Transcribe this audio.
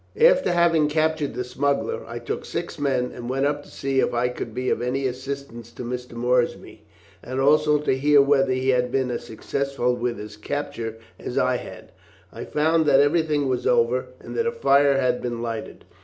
"After having captured the smuggler, I took six men and went up to see if I could be of any assistance to Mr. Moorsby, and also to hear whether he had been as successful with his capture as I had. I found that everything was over, and that a fire had been lighted.